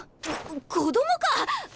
こ子供か！